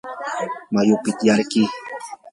mayupita yarquy.